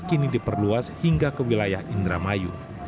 kini diperluas hingga ke wilayah indramayu